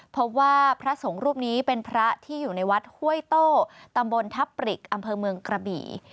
พระสงฆ์รูปนี้เป็นพระที่อยู่ในวัดห้วยโต้ตำบลทัพปริกอำเภอเมืองกระบี่